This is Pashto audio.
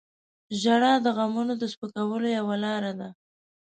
• ژړا د غمونو د سپکولو یوه لاره ده.